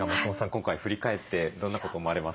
今回振り返ってどんなことを思われますか？